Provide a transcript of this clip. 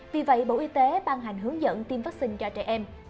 vì vậy bộ y tế ban hành hướng dẫn tiêm vaccine cho trẻ em